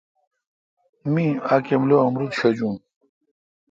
می اہ کلو امرود شجون۔